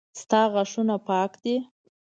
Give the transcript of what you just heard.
د تا غاښونه پاک دي